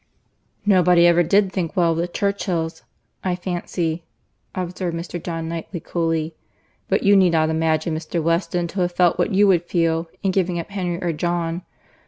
"Nobody ever did think well of the Churchills, I fancy," observed Mr. John Knightley coolly. "But you need not imagine Mr. Weston to have felt what you would feel in giving up Henry or John.